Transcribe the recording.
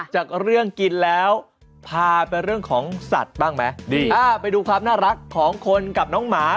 จากเรื่องกินแล้วพาไปเรื่องของสัตว์บ้างไหมดีอ่าไปดูความน่ารักของคนกับน้องหมา